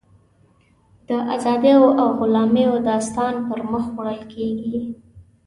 د ازادیو او غلامیو داستان پر مخ وړل کېږي.